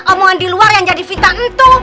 omongan di luar yang jadi fitah itu